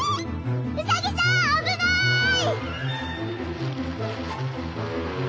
ウサギさん危ない！